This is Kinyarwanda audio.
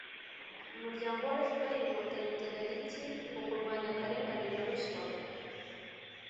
umuryango wa fpr-inkotanyi uteganya iki mu kurwanya akarengane na ruswa